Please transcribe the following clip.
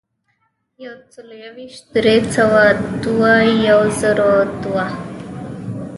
یو سلو یو ویشت ، درې سوه دوه ، یو زرو دوه.